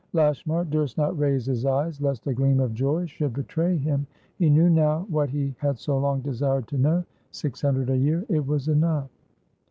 Lashmar durst not raise his eyes lest a gleam of joy should betray him. He knew now what he had so long desired to know. Six hundred a year; it was enough.